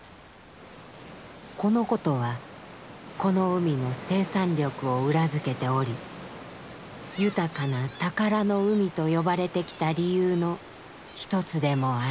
このことはこの海の生産力を裏付けており豊かな『宝の海』と呼ばれてきた理由の一つでもある」。